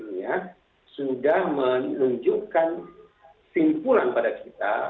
ya sudah menunjukkan simpulan pada kita